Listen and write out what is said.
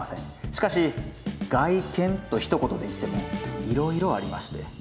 しかし外見とひと言で言ってもいろいろありまして。